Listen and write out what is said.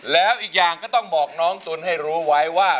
แล้วอีกอย่างก็ต้องบอกน้องสุนให้รู้ไว้ว่า